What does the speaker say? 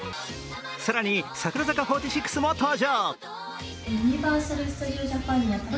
更に櫻坂４６も登場。